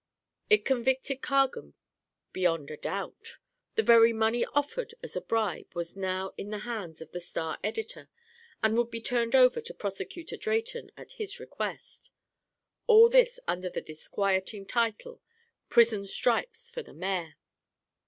It convicted Cargan beyond a doubt. The very money offered as a bribe was now in the hands of the Star editor, and would be turned over to Prosecutor Drayton at his request. All this under the disquieting title "Prison Stripes for the Mayor".